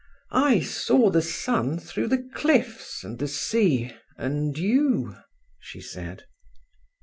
"I saw the sun through the cliffs, and the sea, and you," she said.